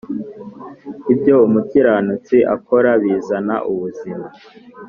Ibyo umukiranutsi akora bizana ubuzima